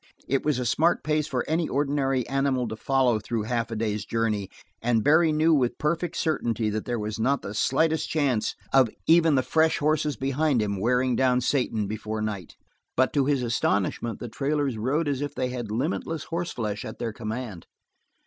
It was a smart pace for any ordinary animal to follow through half a day's journey, and Barry knew with perfect certainty that there was not the slightest chance of even the fresh horses behind him wearing down Satan before night; but to his astonishment the trailers rode as if they had limitless horseflesh at their command.